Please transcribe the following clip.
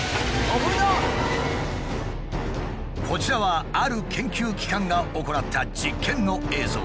こちらはある研究機関が行った実験の映像。